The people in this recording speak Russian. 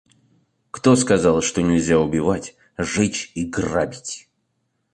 Кто сказал, что нельзя убивать, жечь и грабить?